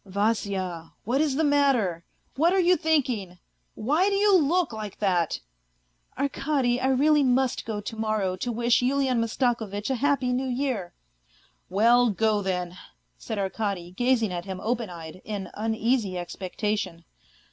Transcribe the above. " Vasya, what is the matter ? What are you thinking ? Why do you look like that ?"" Arkady, I really must go to morrow to wish Yulian Mastako vitch a happy New Year." " Well, go then !" said Arkady, gazing at him open eyed, in uneasy expectation.